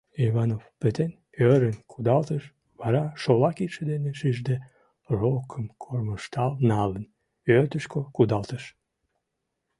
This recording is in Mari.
— Иванов... пытен?! — ӧрын кудалтыш, вара шола кидше дене шижде рокым кормыжтал налын, ӧрдыжкӧ кудалтыш.